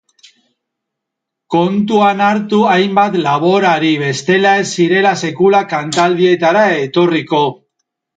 Kontuan hartu hainbat laborari bestela ez zirela sekula kantaldietara etorriko.